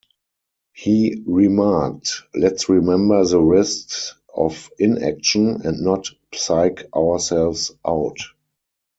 He remarked, let's remember the risks of inaction - and not psych ourselves out.